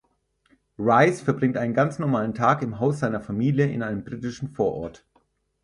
Riz verbringt einen ganz normalen Tag im Haus seiner Familie in einem britischen Vorort.